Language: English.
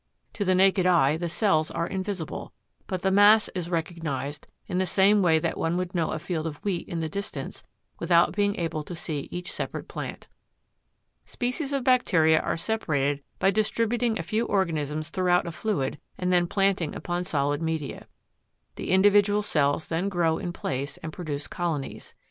To the naked eye the cells are invisible, but the mass is recognized in the same way that one would know a field of wheat in the distance without being able to see each separate plant. Species of bacteria are separated by distributing a few organisms throughout a fluid and then planting upon solid media. The individual cells then grow in place and produce colonies.